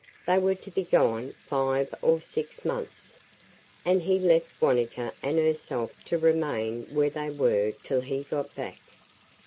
They were to be gone five or six months. And he left Wanetka and herself to remain where they were till he got back.